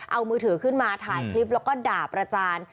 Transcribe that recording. เอามือถือขึ้นมาถ่ายคลิปแล้วก็ด่าประจาน